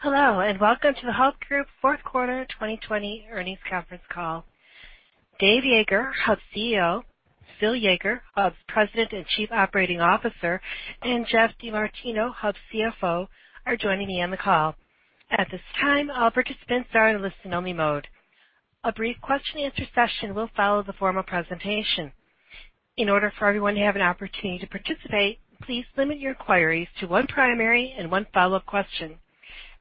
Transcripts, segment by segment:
Hello, welcome to the Hub Group fourth quarter 2020 earnings conference call. Dave Yeager, Hub's CEO, Phil Yeager, Hub's President and Chief Operating Officer, and Geoff DeMartino, Hub's CFO, are joining me on the call. At this time, all participants are in listen only mode. A brief question-and-answer session will follow the formal presentation. In order for everyone to have an opportunity to participate, please limit your queries to one primary and one follow-up question.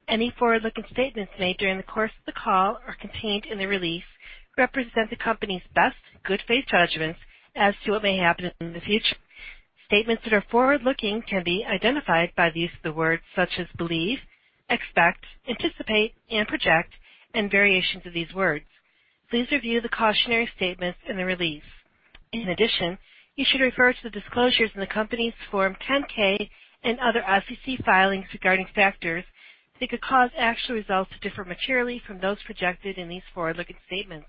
Any forward-looking statements made during the course of the call or contained in the release represent the company's best good faith judgments as to what may happen in the future. Statements that are forward-looking can be identified by the use of words such as believe, expect, anticipate, and project, and variations of these words. Please review the cautionary statements in the release. In addition, you should refer to the disclosures in the company's Form 10-K and other SEC filings regarding factors that could cause actual results to differ materially from those projected in these forward-looking statements.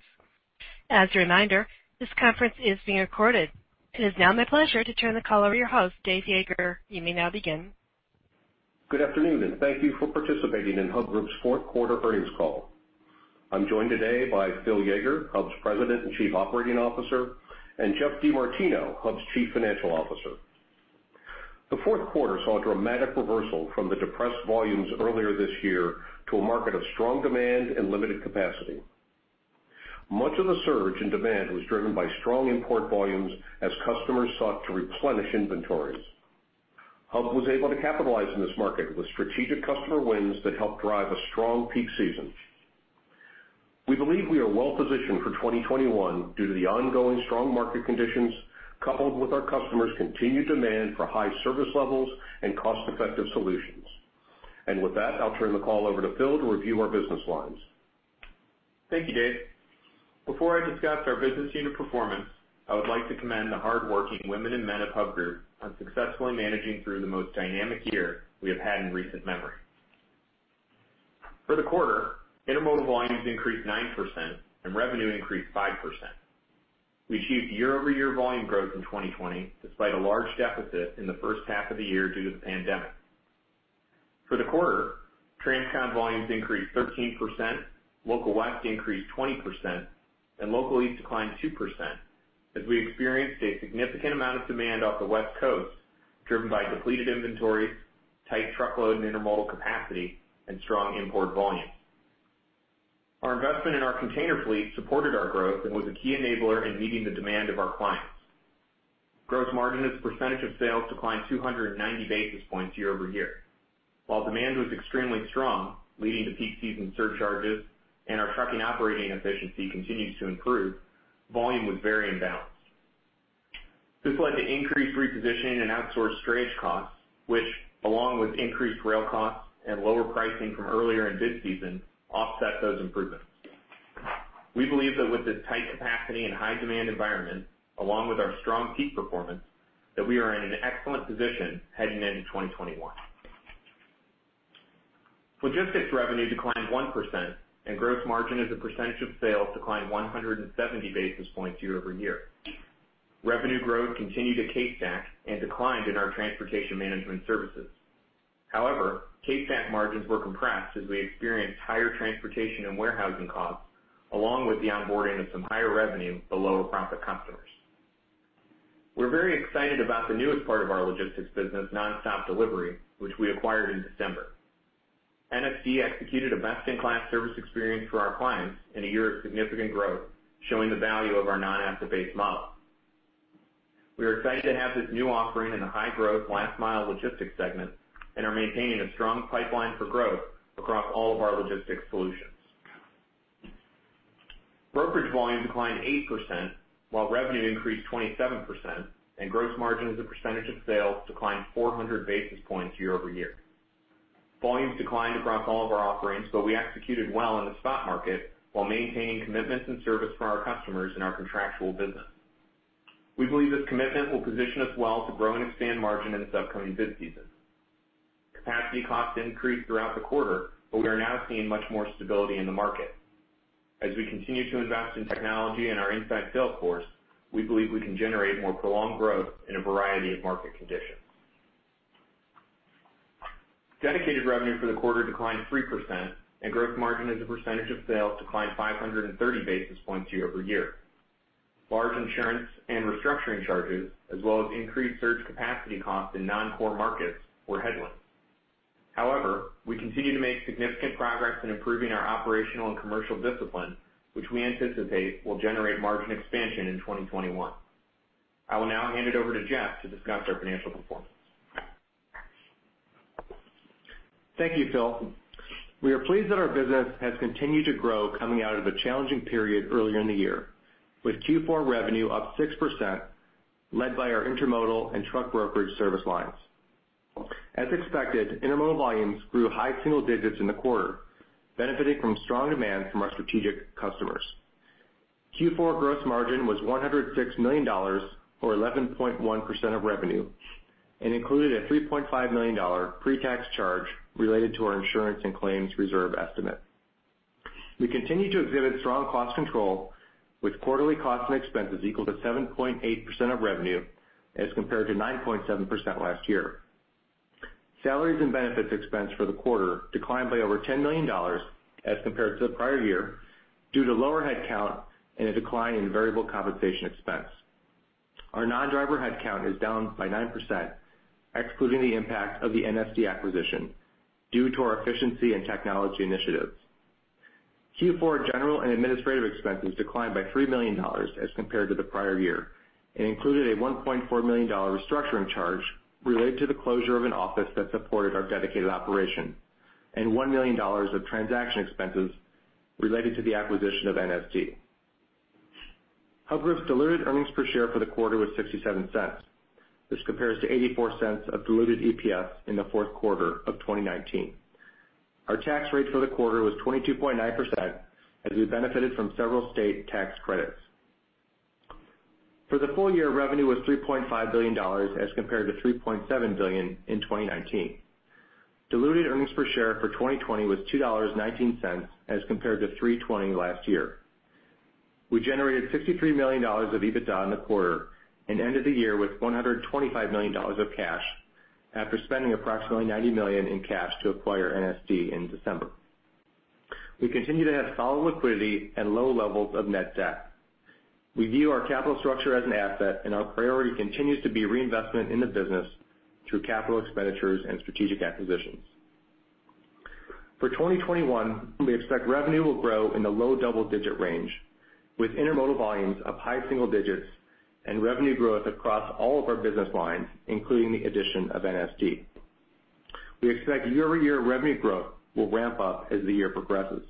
As a reminder, this conference is being recorded. It is now my pleasure to turn the call over to your host, Dave Yeager. You may now begin. Good afternoon, and thank you for participating in Hub Group's fourth quarter earnings call. I'm joined today by Phil Yeager, Hub's President and Chief Operating Officer, and Geoff DeMartino, Hub's Chief Financial Officer. The fourth quarter saw a dramatic reversal from the depressed volumes earlier this year to a market of strong demand and limited capacity. Much of the surge in demand was driven by strong import volumes as customers sought to replenish inventories. Hub was able to capitalize in this market with strategic customer wins that helped drive a strong peak season. We believe we are well-positioned for 2021 due to the ongoing strong market conditions, coupled with our customers' continued demand for high service levels and cost-effective solutions. With that, I'll turn the call over to Phil to review our business lines. Thank you. Before I discuss our business unit performance, I would like to commend the hardworking women and men of Hub Group on successfully managing through the most dynamic year we have had in recent memory. For the quarter, intermodal volumes increased 9% and revenue increased 5%. We achieved year-over-year volume growth in 2020 despite a large deficit in the first half of the year due to the pandemic. For the quarter, transcon volumes increased 13%, local west increased 20%, and local east declined 2% as we experienced a significant amount of demand off the West Coast, driven by depleted inventory, tight truckload and intermodal capacity, and strong import volume. Our investment in our container fleet supported our growth and was a key enabler in meeting the demand of our clients. Gross margin as a percentage of sales declined 290 basis points year-over-year. While demand was extremely strong, leading to peak season surcharges, and our trucking operating efficiency continues to improve, volume was very imbalanced. This led to increased repositioning and outsourced storage costs, which along with increased rail costs and lower pricing from earlier in bid season, offset those improvements. We believe that with this tight capacity and high demand environment, along with our strong peak performance, that we are in an excellent position heading into 2021. Logistics revenue declined 1%, and gross margin as a percentage of sales declined 170 basis points year-over-year. Revenue growth continued to CaseStack and declined in our transportation management services. However, CaseStack margins were compressed as we experienced higher transportation and warehousing costs, along with the onboarding of some higher revenue but lower profit customers. We're very excited about the newest part of our logistics business, NonStopDelivery, which we acquired in December. NSD executed a best in class service experience for our clients in a year of significant growth, showing the value of our non-asset-based model. We are excited to have this new offering in the high growth last mile logistics segment and are maintaining a strong pipeline for growth across all of our logistics solutions. Brokerage volume declined 8%, while revenue increased 27%, and gross margin as a percentage of sales declined 400 basis points year-over-year. Volumes declined across all of our offerings, we executed well in the spot market while maintaining commitments and service for our customers in our contractual business. We believe this commitment will position us well to grow and expand margin in this upcoming bid season. Capacity costs increased throughout the quarter, we are now seeing much more stability in the market. As we continue to invest in technology and our inside sales force, we believe we can generate more prolonged growth in a variety of market conditions. Dedicated revenue for the quarter declined 3%, and gross margin as a percentage of sales declined 530 basis points year-over-year. Large insurance and restructuring charges, as well as increased surge capacity costs in non-core markets were headwinds. However, we continue to make significant progress in improving our operational and commercial discipline, which we anticipate will generate margin expansion in 2021. I will now hand it over to Geoff to discuss our financial performance. Thank you, Phil. We are pleased that our business has continued to grow coming out of a challenging period earlier in the year, with Q4 revenue up 6%, led by our intermodal and truck brokerage service lines. As expected, intermodal volumes grew high single digits in the quarter, benefiting from strong demand from our strategic customers. Q4 gross margin was $106 million, or 11.1% of revenue, and included a $3.5 million pre-tax charge related to our insurance and claims reserve estimate. We continue to exhibit strong cost control with quarterly costs and expenses equal to 7.8% of revenue as compared to 9.7% last year. Salaries and benefits expense for the quarter declined by over $10 million as compared to the prior year due to lower headcount and a decline in variable compensation expense. Our non-driver headcount is down by 9%, excluding the impact of the NSD acquisition, due to our efficiency and technology initiatives. Q4 general and administrative expenses declined by $3 million as compared to the prior year, and included a $1.4 million restructuring charge related to the closure of an office that supported our dedicated operation, and $1 million of transaction expenses related to the acquisition of NSD. Hub Group's diluted earnings per share for the quarter was $0.67. This compares to $0.84 of diluted EPS in the fourth quarter of 2019. Our tax rate for the quarter was 22.9% as we benefited from several state tax credits. For the full year, revenue was $3.5 billion as compared to $3.7 billion in 2019. Diluted earnings per share for 2020 was $2.19 as compared to $3.20 last year. We generated $53 million of EBITDA in the quarter and ended the year with $125 million of cash after spending approximately $90 million in cash to acquire NSD in December. We continue to have solid liquidity and low levels of net debt. We view our capital structure as an asset, and our priority continues to be reinvestment in the business through capital expenditures and strategic acquisitions. For 2021, we expect revenue will grow in the low double-digit range with intermodal volumes up high single digits and revenue growth across all of our business lines, including the addition of NSD. We expect year-over-year revenue growth will ramp up as the year progresses.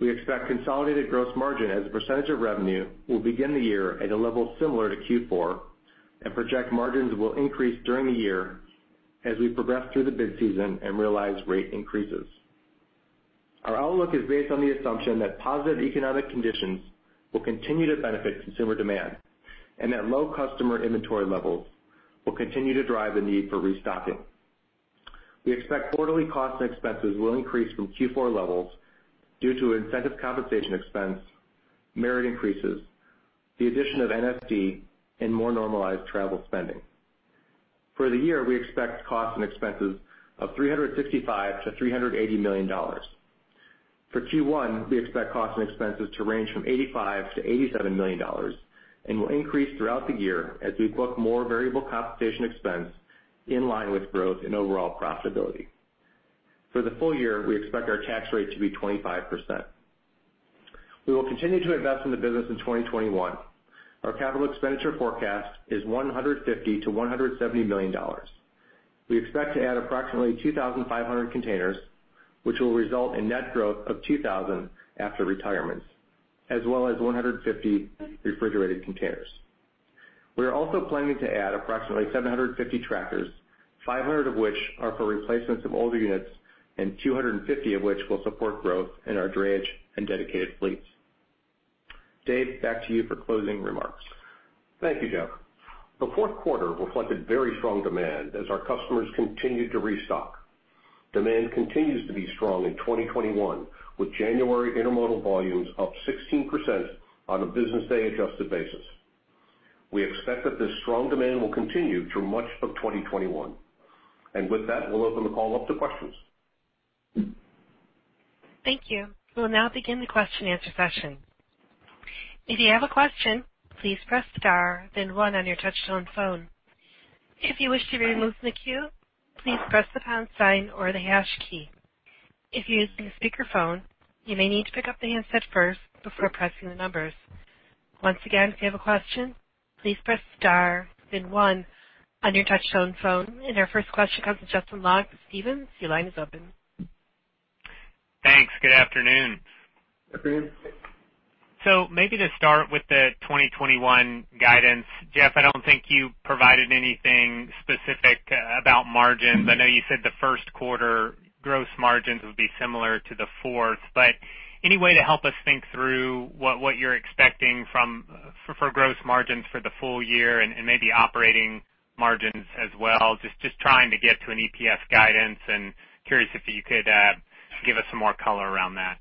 We expect consolidated gross margin as a percent of revenue will begin the year at a level similar to Q4 and project margins will increase during the year as we progress through the bid season and realize rate increases. Our outlook is based on the assumption that positive economic conditions will continue to benefit consumer demand and that low customer inventory levels will continue to drive the need for restocking. We expect quarterly costs and expenses will increase from Q4 levels due to incentive compensation expense, merit increases, the addition of NSD, and more normalized travel spending. For the year, we expect costs and expenses of $365 million-$380 million. For Q1, we expect costs and expenses to range from $85 million-$87 million and will increase throughout the year as we book more variable compensation expense in line with growth and overall profitability. For the full year, we expect our tax rate to be 25%. We will continue to invest in the business in 2021. Our capital expenditure forecast is $150 million-$170 million. We expect to add approximately 2,500 containers, which will result in net growth of 2,000 after retirements, as well as 150 refrigerated containers. We are also planning to add approximately 750 tractors, 500 of which are for replacements of older units and 250 of which will support growth in our drayage and dedicated fleets. Dave, back to you for closing remarks. Thank you, Geoff. The fourth quarter reflected very strong demand as our customers continued to restock. Demand continues to be strong in 2021, with January intermodal volumes up 16% on a business day adjusted basis. We expect that this strong demand will continue through much of 2021. With that, we'll open the call up to questions. Thank you. We will now begin the question-and-answer session. If you have a question, please press star then one on your touch-tone phone. If you wish to remove from the queue, please press the pound sign or the hash key. If you're using a speakerphone, you may need to pick up the handset first before pressing the numbers. Once again, if you have a question, please press star then one on your touch-tone phone. Our first question comes from Justin Long with Stephens. Your line is open. Thanks. Good afternoon. Good afternoon. Maybe to start with the 2021 guidance. Geoff, I don't think you provided anything specific about margins. I know you said the first quarter gross margins would be similar to the fourth, but any way to help us think through what you're expecting for gross margins for the full year and maybe operating margins as well? Just trying to get to an EPS guidance and curious if you could give us some more color around that.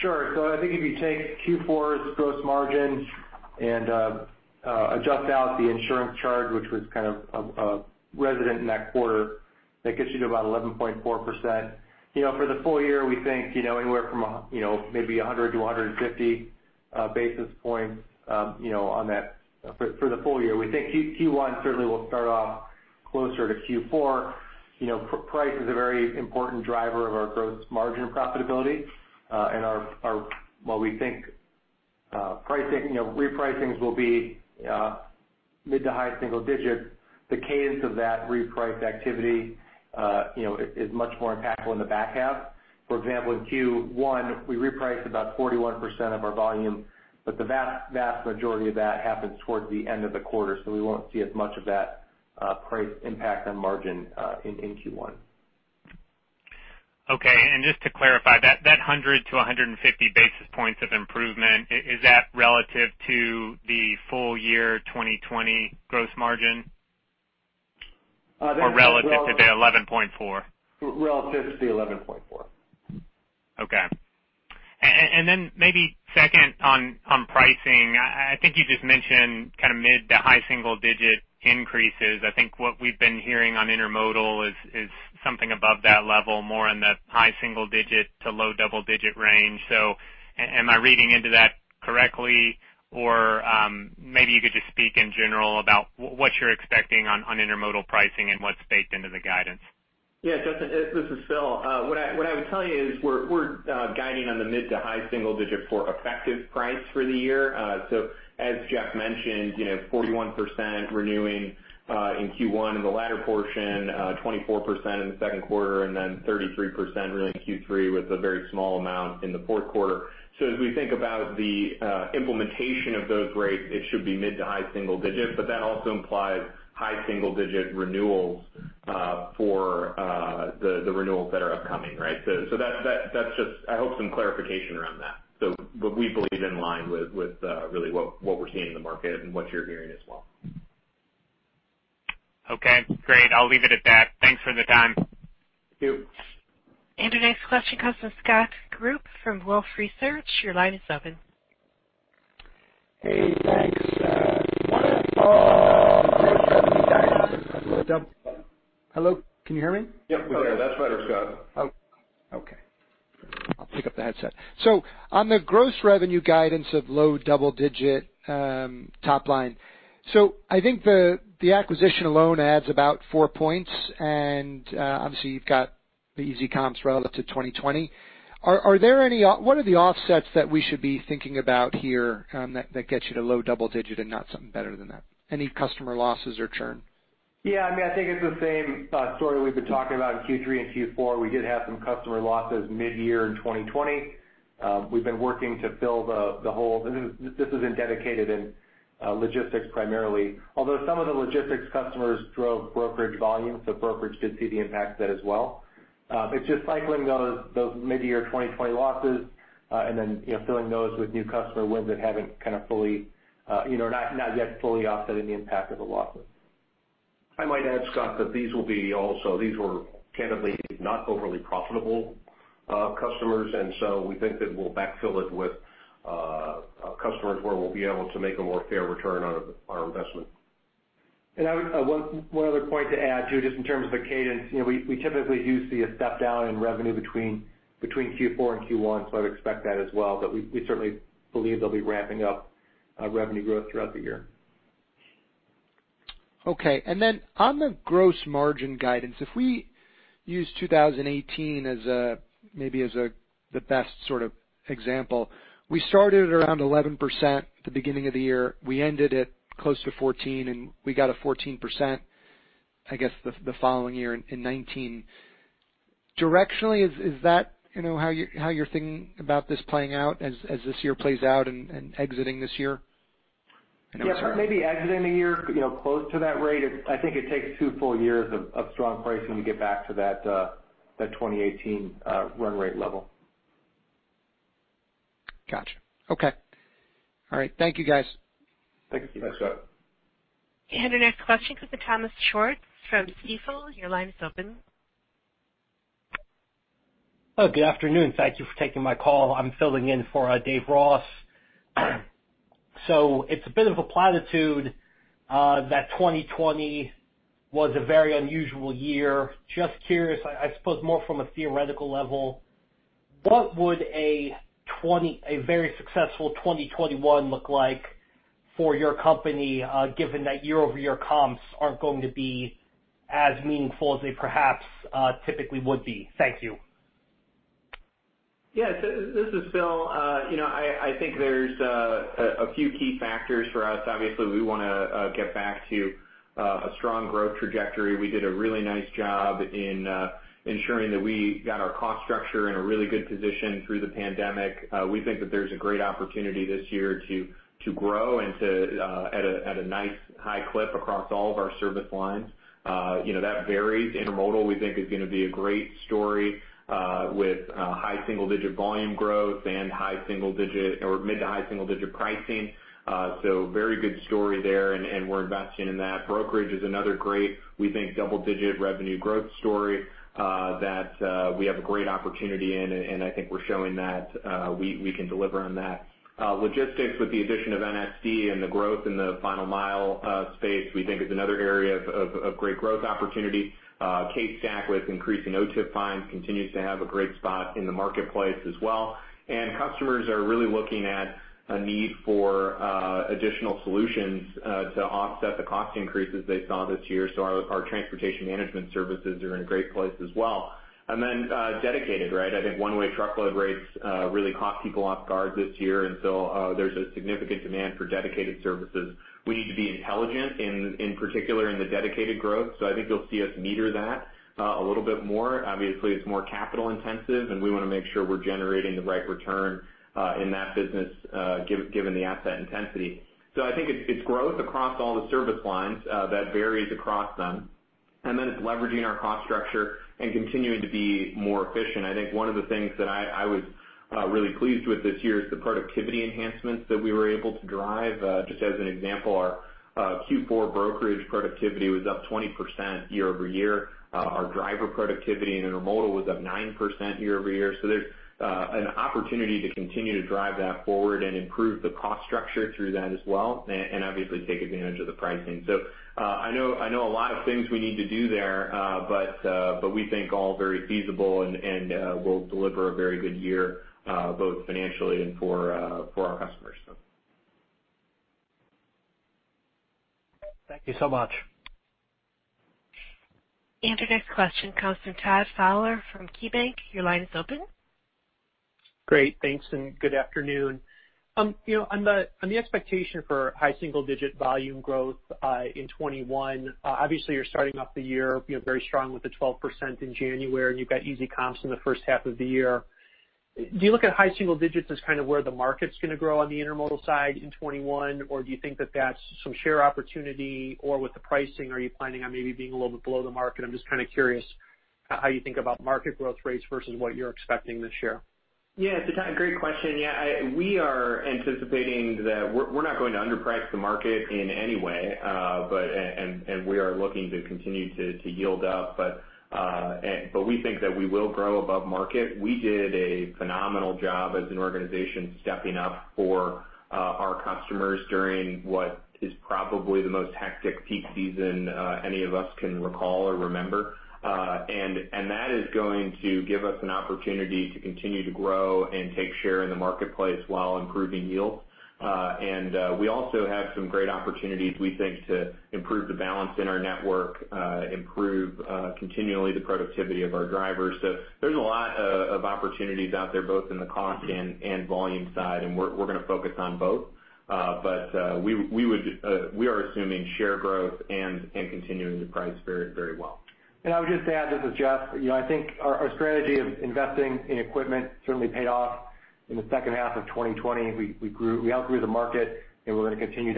Sure. I think if you take Q4's gross margin and adjust out the insurance charge, which was kind of resident in that quarter, that gets you to about 11.4%. For the full year, we think anywhere from maybe 100 basis points to 150 basis points on that. For the full year, we think Q1 certainly will start off closer to Q4. Price is a very important driver of our gross margin profitability. While we think repricings will be mid-to-high single-digit, the cadence of that reprice activity is much more impactful in the back half. For example, in Q1, we repriced about 41% of our volume, but the vast majority of that happens towards the end of the quarter, so we won't see as much of that price impact on margin in Q1. Okay. Just to clarify, that 100 basis points to 150 basis points of improvement, is that relative to the full year 2020 gross margin? Relative to the 11.4%? Relative to the 11.4%. Okay. Maybe second on pricing, I think you just mentioned mid-to-high single-digit increases. I think what we've been hearing on intermodal is something above that level, more in the high single digit to low double-digit range. Am I reading into that correctly? Maybe you could just speak in general about what you're expecting on intermodal pricing and what's baked into the guidance. Yeah, Justin, this is Phil. What I would tell you is we're guiding on the mid-to-high single-digit for effective price for the year. As Geoff mentioned, 41% renewing in Q1, in the latter portion, 24% in the second quarter, and then 33% really in Q3, with a very small amount in the fourth quarter. As we think about the implementation of those rates, it should be mid-to-high single-digit, but that also implies high single digit renewals for the renewals that are upcoming. That's just, I hope, some clarification around that. What we believe is in line with really what we're seeing in the market and what you're hearing as well. Okay, great. I'll leave it at that. Thanks for the time. Thank you. Your next question comes from Scott Group from Wolfe Research. Your line is open. Hey, thanks. Hello? Can you hear me? Yep, we can hear. That's better, Scott. Okay. I'll pick up the headset. On the gross revenue guidance of low double digit top line, I think the acquisition alone adds about 4 points, and obviously you've got the easy comps relative to 2020. What are the offsets that we should be thinking about here that gets you to low double digit and not something better than that? Any customer losses or churn? Yeah, I think it's the same story we've been talking about in Q3 and Q4. We did have some customer losses mid-year in 2020. We've been working to fill the hole. This has been dedicated in logistics primarily, although some of the logistics customers drove brokerage volume, so brokerage did see the impact of that as well. It's just cycling those mid-year 2020 losses, and then filling those with new customer wins that haven't fully, or not yet fully offsetting the impact of the losses. I might add, Scott, that these were candidly not overly profitable customers. We think that we'll backfill it with customers where we'll be able to make a more fair return on our investment. One other point to add, too, just in terms of the cadence. We typically do see a step down in revenue between Q4 and Q1. I'd expect that as well. We certainly believe they'll be ramping up revenue growth throughout the year. Okay, on the gross margin guidance, if we use 2018 as maybe the best sort of example, we started around 11% at the beginning of the year. We ended at close to 14%, we got a 14%, I guess, the following year in 2019. Directionally, is that how you're thinking about this playing out as this year plays out and exiting this year? Yeah. Maybe exiting the year, close to that rate. I think it takes two full years of strong pricing to get back to that 2018 run rate level. Got you. Okay. All right. Thank you guys. Thank you. Thanks, Scott. Our next question comes from Thomas Schwartz from Stifel. Your line is open. Hello, good afternoon. Thank you for taking my call. I'm filling in for Dave Ross. It's a bit of a platitude that 2020 was a very unusual year. Just curious, I suppose more from a theoretical level, what would a very successful 2021 look like for your company, given that year-over-year comps aren't going to be as meaningful as they perhaps typically would be? Thank you. Yeah. This is Phil. I think there's a few key factors for us. Obviously, we want to get back to a strong growth trajectory. We did a really nice job in ensuring that we got our cost structure in a really good position through the pandemic. We think that there's a great opportunity this year to grow, and at a nice high clip across all of our service lines. That varies. Intermodal, we think, is going to be a great story with high single-digit volume growth and mid-to-high single-digit pricing. Very good story there, and we're investing in that. Brokerage is another great, we think, double-digit revenue growth story that we have a great opportunity in, and I think we're showing that we can deliver on that. Logistics with the addition of NSD and the growth in the final mile space, we think is another area of great growth opportunity. CaseStack with increasing OTIF fines continues to have a great spot in the marketplace as well. Customers are really looking at a need for additional solutions to offset the cost increases they saw this year. Our transportation management services are in a great place as well. Dedicated. I think one-way truckload rates really caught people off guard this year, and so there's a significant demand for dedicated services. We need to be intelligent, in particular in the dedicated growth. I think you'll see us meter that a little bit more. Obviously, it's more capital intensive, and we want to make sure we're generating the right return in that business given the asset intensity. I think it's growth across all the service lines that varies across them. Then it's leveraging our cost structure and continuing to be more efficient. I think one of the things that I was really pleased with this year is the productivity enhancements that we were able to drive. Just as an example, our Q4 brokerage productivity was up 20% year-over-year. Our driver productivity in intermodal was up 9% year-over-year. There's an opportunity to continue to drive that forward and improve the cost structure through that as well, and obviously take advantage of the pricing. I know a lot of things we need to do there, but we think all very feasible, and will deliver a very good year, both financially and for our customers. Thank you so much. Your next question comes from Todd Fowler from KeyBanc. Your line is open. Great, thanks. Good afternoon. On the expectation for high single-digit volume growth in 2021, obviously you're starting off the year very strong with the 12% in January, and you've got easy comps in the first half of the year. Do you look at high single digits as kind of where the market's going to grow on the intermodal side in 2021, or do you think that that's some share opportunity, or with the pricing, are you planning on maybe being a little bit below the market? I'm just kind of curious how you think about market growth rates versus what you're expecting this year. Yeah. Todd, great question. We are anticipating that we're not going to underprice the market in any way, and we are looking to continue to yield up. We think that we will grow above market. We did a phenomenal job as an organization stepping up for our customers during what is probably the most hectic peak season any of us can recall or remember. That is going to give us an opportunity to continue to grow and take share in the marketplace while improving yield. We also have some great opportunities, we think, to improve the balance in our network, improve continually the productivity of our drivers. There's a lot of opportunities out there, both in the cost and volume side, and we're going to focus on both. We are assuming share growth and continuing to price very well. I would just add, this is Geoff. I think our strategy of investing in equipment certainly paid off in the second half of 2020. We outgrew the market, and we're going to continue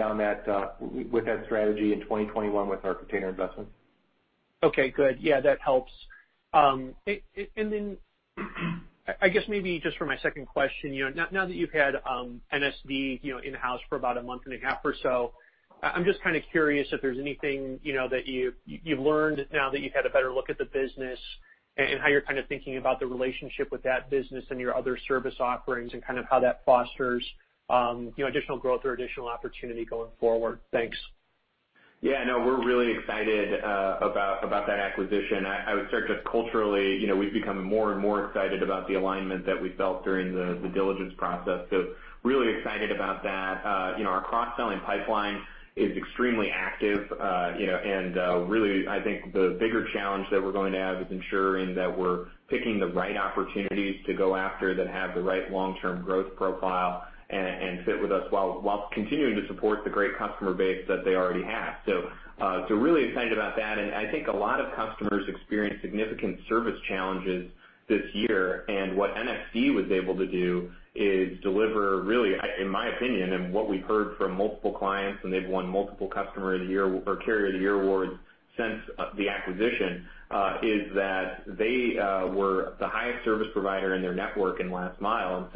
with that strategy in 2021 with our container investments. Okay, good. Yeah, that helps. I guess maybe just for my second question, now that you've had NSD in-house for about a month and a half or so, I'm just kind of curious if there's anything that you've learned now that you've had a better look at the business, and how you're kind of thinking about the relationship with that business and your other service offerings, and kind of how that fosters additional growth or additional opportunity going forward. Thanks. Yeah, no, we're really excited about that acquisition. I would start just culturally, we've become more and more excited about the alignment that we felt during the diligence process. Really excited about that. Our cross-selling pipeline is extremely active. Really, I think the bigger challenge that we're going to have is ensuring that we're picking the right opportunities to go after that have the right long-term growth profile, and fit with us while continuing to support the great customer base that they already have. Really excited about that. I think a lot of customers experienced significant service challenges this year. What NSD was able to do is deliver really, in my opinion, and what we've heard from multiple clients, and they've won multiple Customer of the Year or Carrier of the Year awards since the acquisition, is that they were the highest service provider in their network in last mile.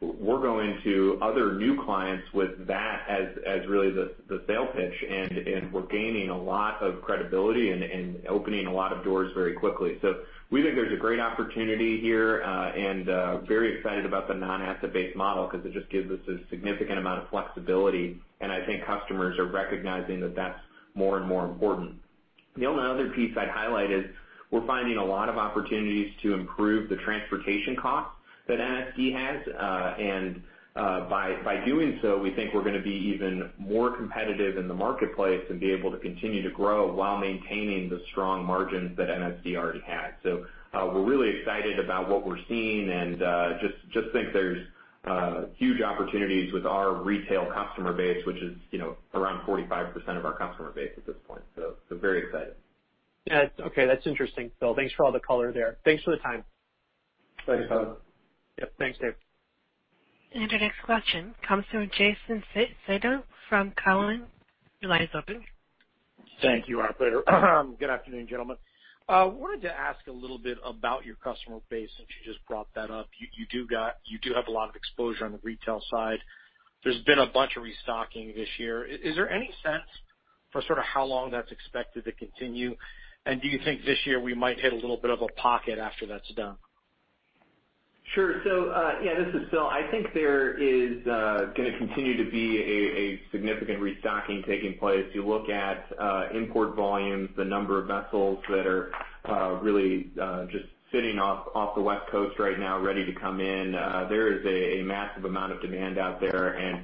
We're going to other new clients with that as really the sales pitch, and we're gaining a lot of credibility and opening a lot of doors very quickly. We think there's a great opportunity here, and very excited about the non-asset-based model because it just gives us a significant amount of flexibility, and I think customers are recognizing that that's more and more important. The only other piece I'd highlight is we're finding a lot of opportunities to improve the transportation cost that NSD has. By doing so, we think we're going to be even more competitive in the marketplace and be able to continue to grow while maintaining the strong margins that NSD already had. We're really excited about what we're seeing, and just think there's huge opportunities with our retail customer base, which is around 45% of our customer base at this point. Very excited. Yeah. Okay, that's interesting, Phil. Thanks for all the color there. Thanks for the time. Thanks, Todd. Yep. Thanks, Phil. Our next question comes from Jason Seidl from Cowen. Your line is open. Thank you, operator. Good afternoon, gentlemen. I wanted to ask a little bit about your customer base, since you just brought that up. You do have a lot of exposure on the retail side. There's been a bunch of restocking this year. Is there any sense for sort of how long that's expected to continue? Do you think this year we might hit a little bit of a pocket after that's done? Sure. Yeah, this is Phil. I think there is going to continue to be a significant restocking taking place. You look at import volumes, the number of vessels that are really just sitting off the West Coast right now ready to come in. There is a massive amount of demand out there.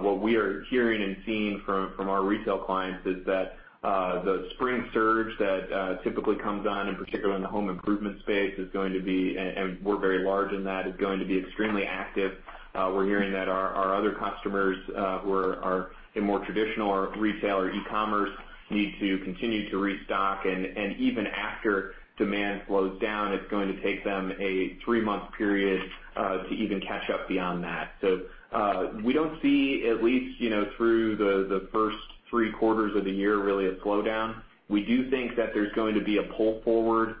What we are hearing and seeing from our retail clients is that the spring surge that typically comes on, in particular in the home improvement space, and we're very large in that, is going to be extremely active. We're hearing that our other customers who are in more traditional or retail or e-commerce need to continue to restock. Even after demand slows down, it's going to take them a three-month period to even catch up beyond that. We don't see, at least through the first three quarters of the year, really a slowdown. We do think that there's going to be a pull forward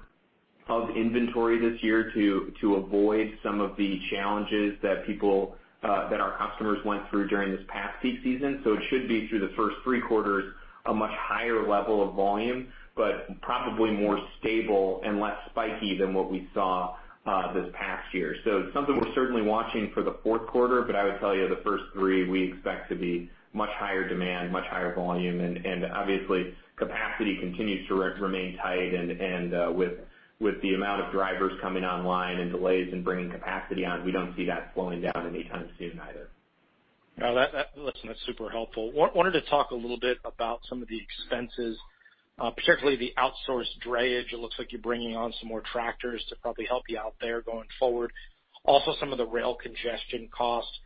of inventory this year to avoid some of the challenges that our customers went through during this past peak season. It should be through the first three quarters, a much higher level of volume, but probably more stable and less spiky than what we saw this past year. It's something we're certainly watching for the fourth quarter, but I would tell you the first three, we expect to be much higher demand, much higher volume, and obviously capacity continues to remain tight and with the amount of drivers coming online and delays in bringing capacity on, we don't see that slowing down any time soon either. Listen, that's super helpful. I wanted to talk a little bit about some of the expenses, particularly the outsourced drayage. It looks like you're bringing on some more tractors to probably help you out there going forward. Also, some of the rail congestion costs,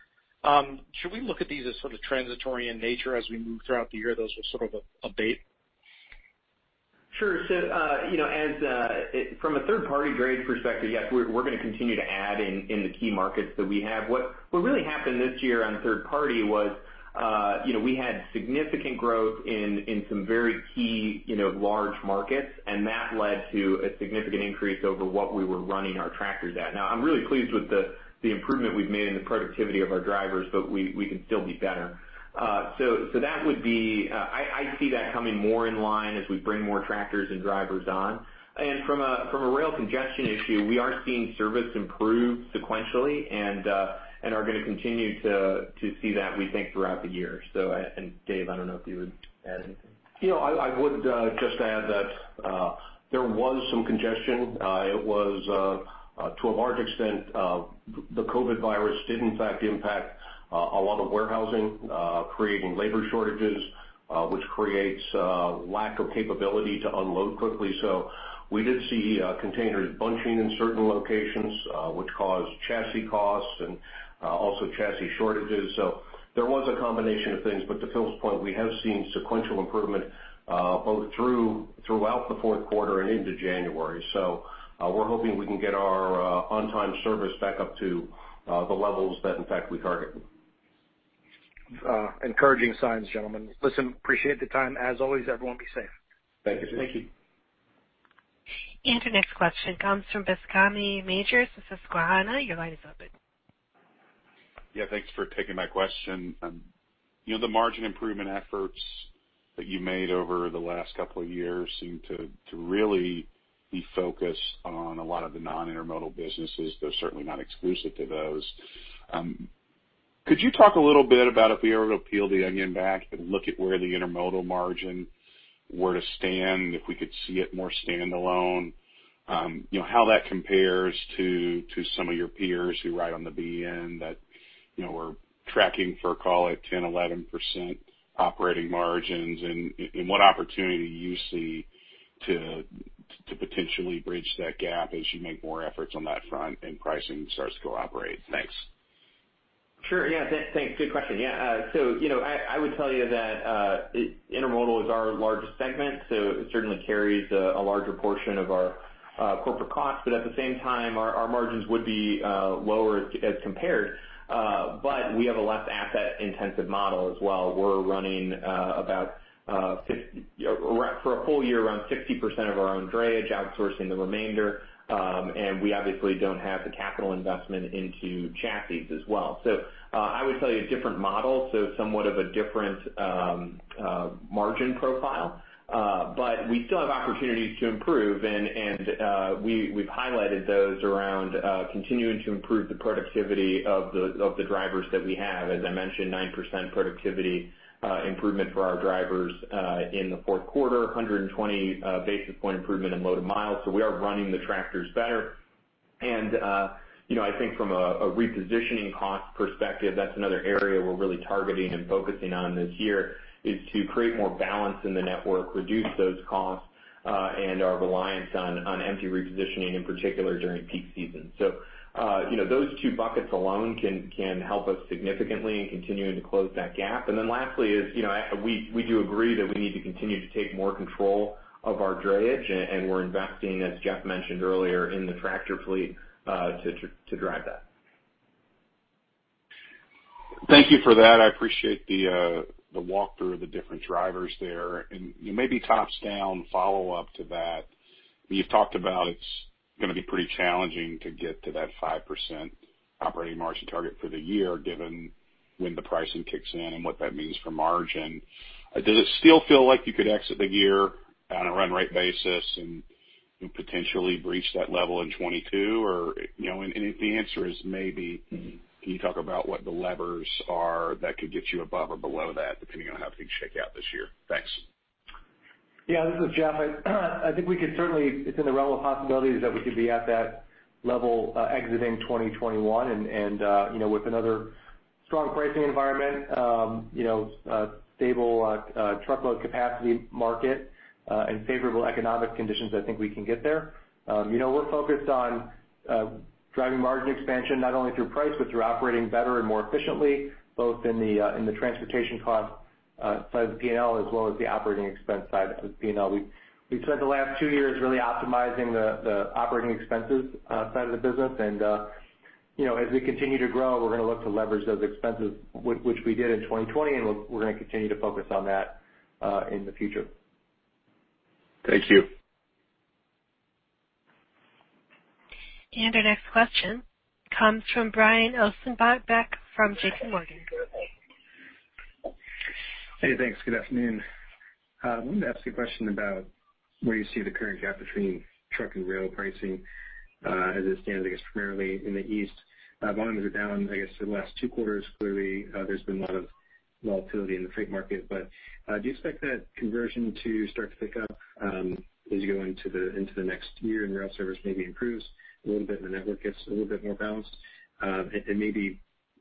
should we look at these as sort of transitory in nature as we move throughout the year? Those are sort of a bit. Sure. From a third-party drayage perspective, yes, we're going to continue to add in the key markets that we have. What really happened this year on third-party was we had significant growth in some very key large markets, and that led to a significant increase over what we were running our tractors at. Now I'm really pleased with the improvement we've made in the productivity of our drivers, but we can still be better. I see that coming more in line as we bring more tractors and drivers on. From a rail congestion issue, we are seeing service improve sequentially and are going to continue to see that, we think, throughout the year. Dave, I don't know if you would add anything. Yeah, I would just add that there was some congestion. To a large extent, the COVID virus did in fact impact a lot of warehousing, creating labor shortages, which creates a lack of capability to unload quickly. We did see containers bunching in certain locations, which caused chassis costs and also chassis shortages. There was a combination of things, but to Phil's point, we have seen sequential improvement, both throughout the fourth quarter and into January. We're hoping we can get our on-time service back up to the levels that in fact we target. Encouraging signs, gentlemen. Listen, appreciate the time as always. Everyone be safe. Thank you. Thank you. Your next question comes from Bascome Majors with Susquehanna. Your line is open. Yeah, thanks for taking my question. The margin improvement efforts that you made over the last couple of years seem to really be focused on a lot of the non-intermodal businesses, though certainly not exclusive to those. Could you talk a little bit about if we were to peel the onion back and look at where the intermodal margin were to stand, if we could see it more standalone, how that compares to some of your peers who ride on the BNSF that we're tracking for call it 10%, 11% operating margins, and what opportunity you see to potentially bridge that gap as you make more efforts on that front and pricing starts to cooperate? Thanks. Sure. Yeah. Thanks. Good question. I would tell you that intermodal is our largest segment, so it certainly carries a larger portion of our corporate costs. At the same time, our margins would be lower as compared. We have a less asset-intensive model as well. We're running for a full year around 60% of our own drayage, outsourcing the remainder. We obviously don't have the capital investment into chassis as well. I would tell you a different model, so somewhat of a different margin profile. We still have opportunities to improve, and we've highlighted those around continuing to improve the productivity of the drivers that we have. As I mentioned, 9% productivity improvement for our drivers in the fourth quarter, 120 basis point improvement in loaded miles. We are running the tractors better. I think from a repositioning cost perspective, that's another area we're really targeting and focusing on this year is to create more balance in the network, reduce those costs, and our reliance on empty repositioning, in particular during peak season. Those two buckets alone can help us significantly in continuing to close that gap. Lastly is we do agree that we need to continue to take more control of our drayage, and we're investing, as Geoff mentioned earlier, in the tractor fleet to drive that. Thank you for that. I appreciate the walk through of the different drivers there. Maybe tops down follow up to that. You've talked about it's going to be pretty challenging to get to that 5% operating margin target for the year, given when the pricing kicks in and what that means for margin. Does it still feel like you could exit the year on a run rate basis and potentially breach that level in 2022? If the answer is maybe, can you talk about what the levers are that could get you above or below that depending on how things shake out this year? Thanks. Yeah, this is Geoff. I think we could certainly, it's in the realm of possibilities that we could be at that level exiting 2021. With another strong pricing environment, a stable truckload capacity market, and favorable economic conditions, I think we can get there. We're focused on driving margin expansion, not only through price, but through operating better and more efficiently, both in the transportation cost side of the P&L as well as the operating expense side of the P&L. We've spent the last two years really optimizing the operating expenses side of the business and As we continue to grow, we're going to look to leverage those expenses, which we did in 2020, and we're going to continue to focus on that in the future. Thank you. Our next question comes from Brian Ossenbeck from JPMorgan. Hey, thanks. Good afternoon. I wanted to ask you a question about where you see the current gap between truck and rail pricing as it stands, I guess primarily in the East. Volumes are down, I guess, the last two quarters. Clearly, there's been a lot of volatility in the freight market. Do you expect that conversion to start to pick up as you go into the next year and rail service maybe improves a little bit and the network gets a little bit more balanced? Maybe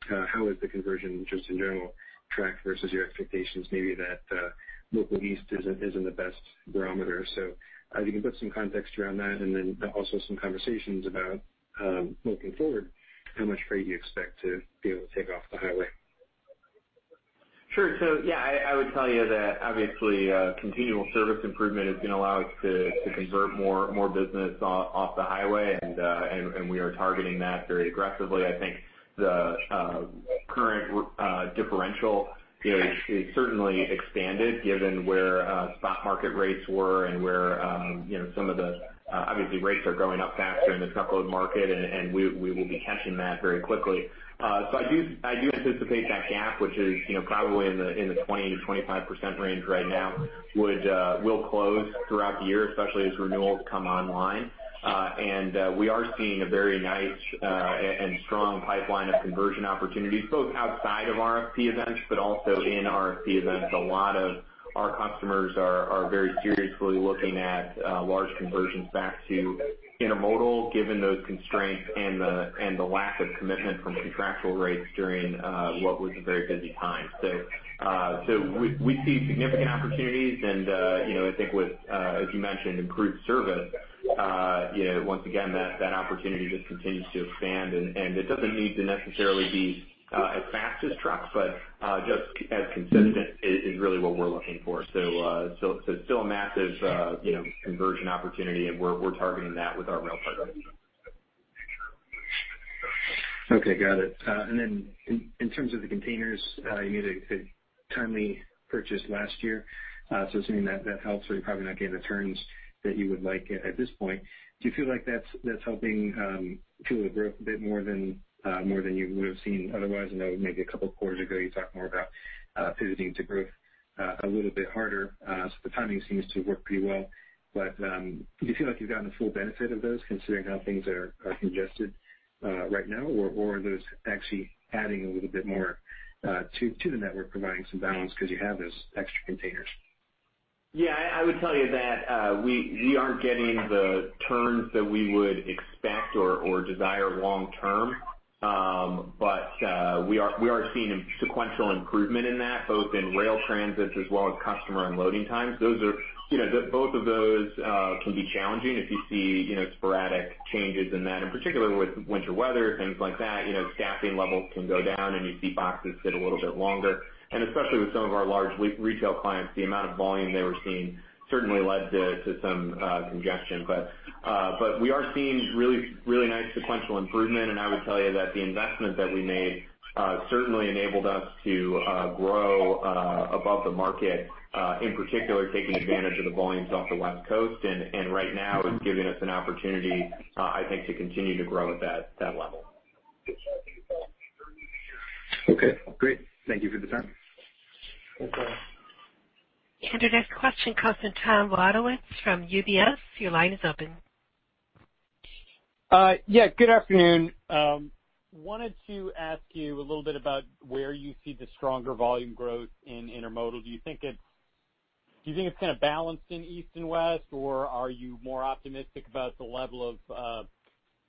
how has the conversion, just in general, tracked versus your expectations? Maybe that Local East isn't the best barometer. If you can put some context around that and then also some conversations about, looking forward, how much freight you expect to be able to take off the highway. Sure. Yeah, I would tell you that obviously, continual service improvement is going to allow us to convert more business off the highway, and we are targeting that very aggressively. I think the current differential is certainly expanded given where spot market rates were and where some of the, obviously rates are going up faster in the truckload market, and we will be catching that very quickly. I do anticipate that gap, which is probably in the 20%-25% range right now, will close throughout the year, especially as renewals come online. We are seeing a very nice and strong pipeline of conversion opportunities, both outside of RFP events, but also in RFP events. A lot of our customers are very seriously looking at large conversions back to intermodal, given those constraints and the lack of commitment from contractual rates during what was a very busy time. We see significant opportunities, and I think as you mentioned, improved service. Once again, that opportunity just continues to expand, and it doesn't need to necessarily be as fast as trucks, but just as consistent is really what we're looking for. It's still a massive conversion opportunity, and we're targeting that with our rail partners. Okay, got it. In terms of the containers, you made a timely purchase last year. Assuming that helps, are you probably not getting the terms that you would like at this point? Do you feel like that's helping fuel the growth a bit more than you would have seen otherwise? I know maybe a couple of quarters ago, you talked more about pivoting to growth a little bit harder. The timing seems to work pretty well. Do you feel like you've gotten the full benefit of those, considering how things are congested right now? Are those actually adding a little bit more to the network, providing some balance because you have those extra containers? Yeah, I would tell you that we aren't getting the terms that we would expect or desire long term. We are seeing a sequential improvement in that, both in rail transits as well as customer unloading times. Both of those can be challenging if you see sporadic changes in that, and particularly with winter weather, things like that. Staffing levels can go down, and you see boxes sit a little bit longer. Especially with some of our large retail clients, the amount of volume they were seeing certainly led to some congestion. We are seeing really nice sequential improvement, and I would tell you that the investment that we made certainly enabled us to grow above the market, in particular, taking advantage of the volumes off the West Coast, and right now is giving us an opportunity, I think, to continue to grow at that level. Okay, great. Thank you for the time. No problem. Our next question comes from Tom Wadewitz from UBS. Your line is open. Yeah, good afternoon. Wanted to ask you a little bit about where you see the stronger volume growth in intermodal. Do you think it's kind of balanced in East and West, or are you more optimistic about the level of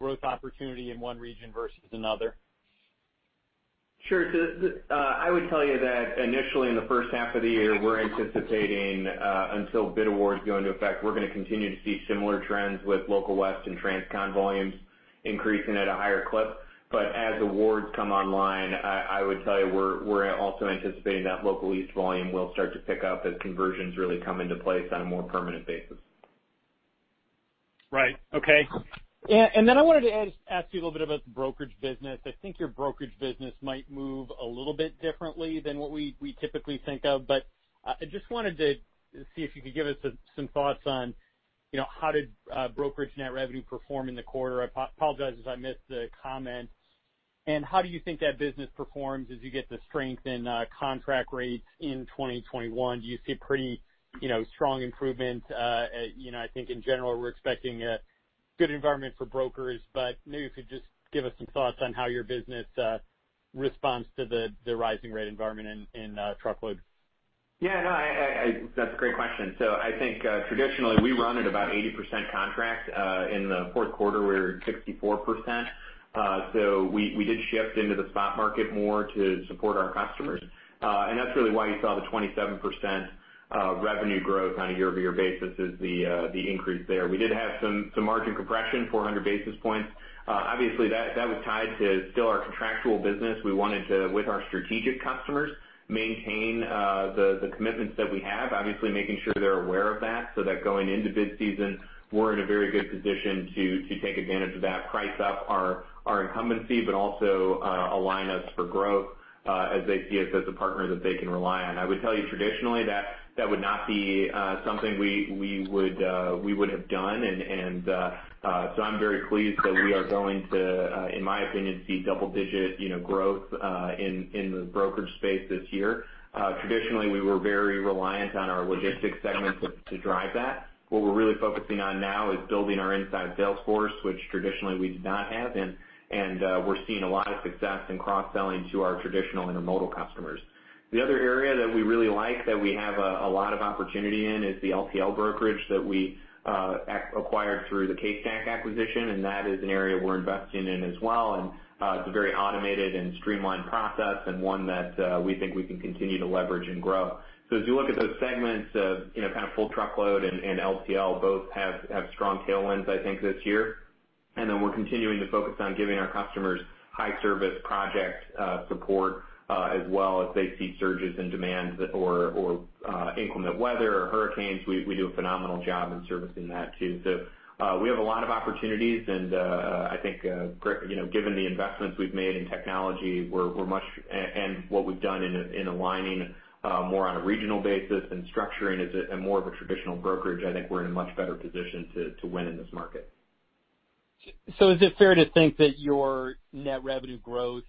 growth opportunity in one region versus another? Sure. I would tell you that initially in the first half of the year, we're anticipating, until bid awards go into effect, we're going to continue to see similar trends with Local West and transcon volumes increasing at a higher clip. As awards come online, I would tell you we're also anticipating that Local East volume will start to pick up as conversions really come into place on a more permanent basis. Right. Okay. I wanted to ask you a little bit about the brokerage business. I think your brokerage business might move a little bit differently than what we typically think of. I just wanted to see if you could give us some thoughts on how did brokerage net revenue perform in the quarter. I apologize if I missed the comment. How do you think that business performs as you get the strength in contract rates in 2021? Do you see pretty strong improvement? I think in general, we're expecting a good environment for brokers, but maybe if you could just give us some thoughts on how your business responds to the rising rate environment in truckload. Yeah. That's a great question. I think traditionally, we run at about 80% contract. In the fourth quarter, we were at 64%. We did shift into the spot market more to support our customers. That's really why you saw the 27% revenue growth on a year-over-year basis is the increase there. We did have some margin compression, 400 basis points. Obviously, that was tied to still our contractual business. We wanted to, with our strategic customers, maintain the commitments that we have, obviously making sure they're aware of that, so that going into bid season, we're in a very good position to take advantage of that, price up our incumbency, but also align us for growth as they see us as a partner that they can rely on. I would tell you traditionally, that would not be something we would have done, and so I'm very pleased that we are going to, in my opinion, see double-digit growth in the brokerage space this year. Traditionally, we were very reliant on our logistics segment to drive that. What we're really focusing on now is building our inside sales force, which traditionally we did not have, and we're seeing a lot of success in cross-selling to our traditional intermodal customers. The other area that we really like that we have a lot of opportunity in is the LTL brokerage that we acquired through the CaseStack acquisition, and that is an area we're investing in as well. It's a very automated and streamlined process, and one that we think we can continue to leverage and grow. As you look at those segments, full truckload and LTL both have strong tailwinds, I think, this year. We're continuing to focus on giving our customers high service project support as well as they see surges in demand or inclement weather or hurricanes. We do a phenomenal job in servicing that, too. We have a lot of opportunities, and I think, given the investments we've made in technology, and what we've done in aligning more on a regional basis and structuring as more of a traditional brokerage, I think we're in a much better position to win in this market. Is it fair to think that your net revenue growth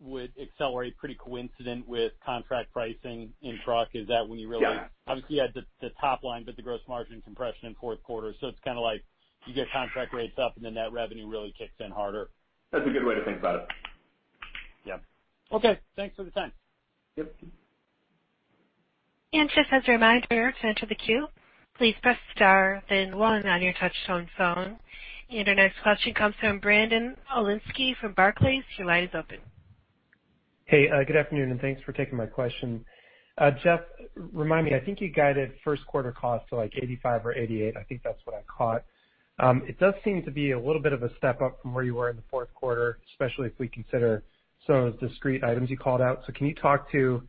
would accelerate pretty coincident with contract pricing in truck? Yeah. Obviously, you had the top line, but the gross margin compression in fourth quarter, so it's kind of like you get contract rates up, and then that revenue really kicks in harder. That's a good way to think about it. Yeah. Okay, thanks for the time. Yep. Just as a reminder, to enter the queue, please press star then one on your touch-tone phone. Our next question comes from Brandon Oglenski from Barclays. Your line is open. Hey, good afternoon, and thanks for taking my question. Geoff, remind me, I think you guided first quarter cost to like $85 million or $88 million. I think that's what I caught. It does seem to be a little bit of a step up from where you were in the fourth quarter, especially if we consider some of the discrete items you called out. Can you talk to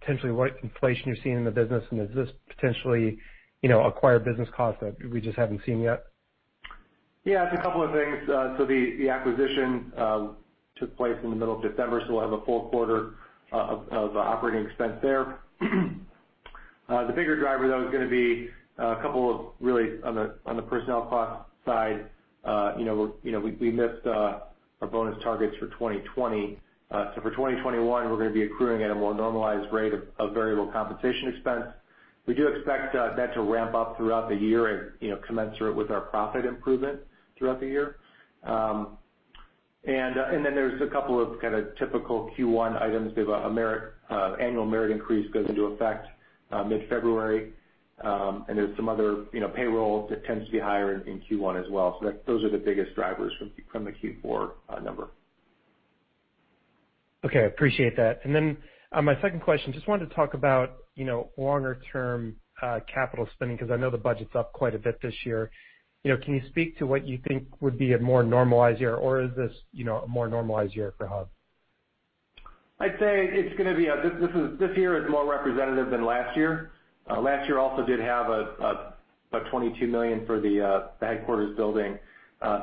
potentially what inflation you're seeing in the business, and is this potentially acquired business cost that we just haven't seen yet? Yeah, it's a couple of things. The acquisition took place in the middle of December, so we'll have a full quarter of operating expense there. The bigger driver, though, is going to be a couple of really on the personnel cost side. We missed our bonus targets for 2020. For 2021, we're going to be accruing at a more normalized rate of variable compensation expense. We do expect that to ramp up throughout the year commensurate with our profit improvement throughout the year. There's a couple of kind of typical Q1 items. We have an annual merit increase goes into effect mid-February, and there's some other payroll that tends to be higher in Q1 as well. Those are the biggest drivers from the Q4 number. Okay, appreciate that. My second question, just wanted to talk about longer term capital spending, because I know the budget's up quite a bit this year. Can you speak to what you think would be a more normalized year, or is this a more normalized year for Hub? I'd say this year is more representative than last year. Last year also did have a $22 million for the headquarters building.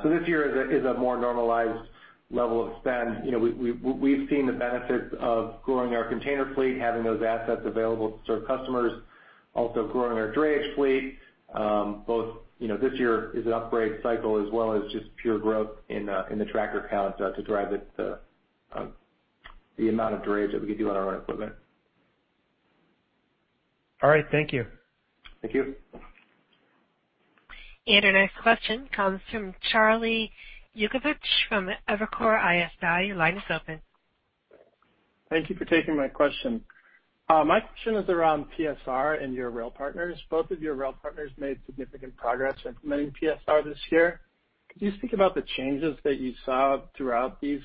This year is a more normalized level of spend. We've seen the benefits of growing our container fleet, having those assets available to serve customers, also growing our drayage fleet. Both this year is an upgrade cycle as well as just pure growth in the tractor count to drive the amount of drayage that we could do on our own equipment. All right. Thank you. Thank you. Our next question comes from Charley Yukevich from Evercore ISI. Your line is open. Thank you for taking my question. My question is around PSR and your rail partners. Both of your rail partners made significant progress implementing PSR this year. Could you speak about the changes that you saw throughout these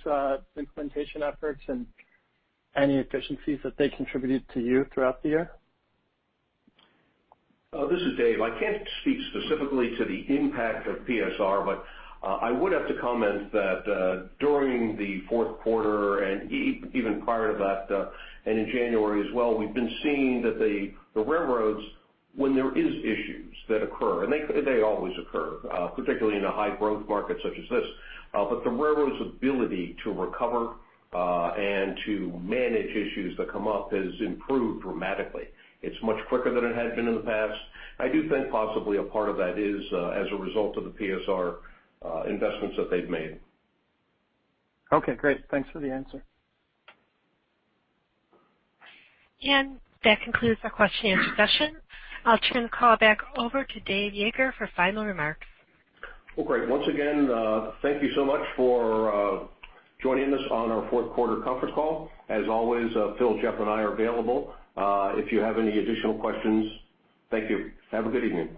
implementation efforts and any efficiencies that they contributed to you throughout the year? This is Dave. I can't speak specifically to the impact of PSR, but I would have to comment that during the fourth quarter and even prior to that, and in January as well, we've been seeing that the railroads, when there is issues that occur, and they always occur, particularly in a high growth market such as this, but the railroad's ability to recover and to manage issues that come up has improved dramatically. It's much quicker than it had been in the past. I do think possibly a part of that is as a result of the PSR investments that they've made. Okay, great. Thanks for the answer. That concludes our question-and-answer session. I'll turn the call back over to Dave Yeager for final remarks. Well, great. Once again, thank you so much for joining us on our fourth quarter conference call. As always Phil, Geoff, and I are available if you have any additional questions. Thank you. Have a good evening.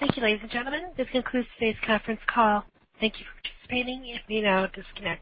Thank you, ladies and gentlemen. This concludes today's conference call. Thank you for participating. You may now disconnect.